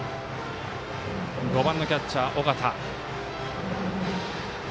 ５番のキャッチャー、尾形。